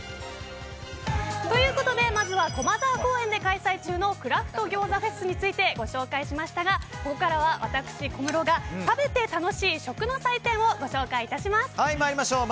まずは駒沢公園で開催中のクラフト餃子フェスについてご紹介しましたがここからは私、小室が食べて楽しい食の祭典を参りましょう。